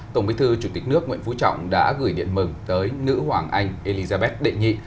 tổng bí thư chủ tịch nước nguyễn phú trọng đã gửi điện mừng tới nữ hoàng anh elizabeth đệ nhị